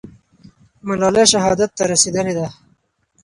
ملالۍ شهادت ته رسېدلې ده.